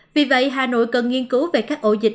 vì vậy hà nội cần nghiên cứu về các ổ dịch